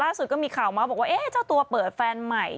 ล่าสุดก็มีข่าวมาว่าเจ้าตัวเปิดแฟนใหม่